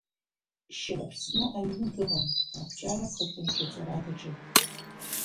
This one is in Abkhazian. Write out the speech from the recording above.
Шьахәсна аҩны дыҟан, акәҷарақәа акрырҿаҵара даҿын.